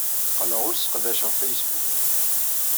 Qqleɣ ur sseqdaceɣ Facebook.